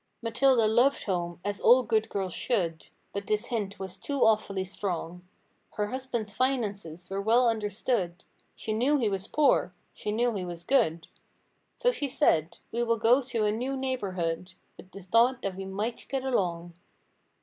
Matilda loved home—as all good girls should. But this hint was too awfully strong; Her husband's finances were well understood; She knew he was poor; she knew he was good; 224 So she said—"We will go to a new neighborhood, With the thought that we might get along."